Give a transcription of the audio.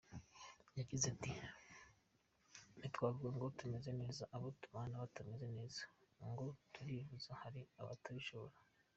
Yagize ati “Ntitwavuga ngo tumeze neza abo tubana batameze neza, ngo turivuza hari abatabishobora.